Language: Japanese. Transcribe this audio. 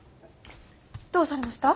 どうされました？